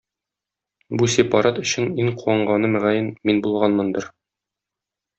Бу сепарат өчен иң куанганы, мөгаен, мин булганмындыр.